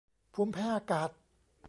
ภูมิแพ้อากาศ